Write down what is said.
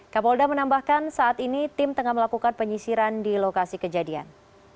kapolda menambahkan saat ini tim tengah melakukan penyisiran di lokasi kejadian